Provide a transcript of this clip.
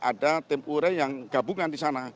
ada tim ure yang gabungan di sana